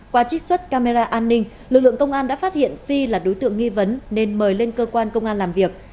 qua trích xuất camera an ninh lực lượng công an đã phát hiện phi là đối tượng nghi vấn nên mời lên cơ quan công an làm việc